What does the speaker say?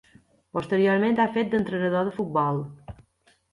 Posteriorment, ha fet d'entrenador de futbol.